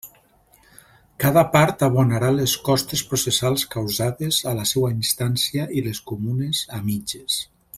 Cada part abonarà les costes processals causades a la seua instància i les comunes a mitges.